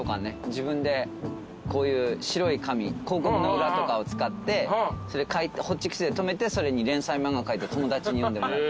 自分でこういう白い紙広告の裏とかを使ってホチキスで留めてそれに連載漫画描いて友達に読んでもらう。